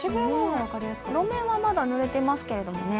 路面はまだぬれていますけどね。